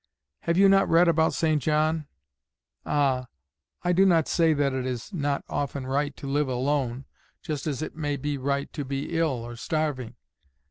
Have you not read about St. John? Ah, I do not say that it is not often right to live alone, just as it may be right to be ill or starving.